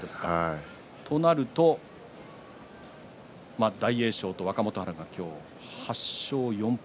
そうなると大栄翔と若元春今日８勝４敗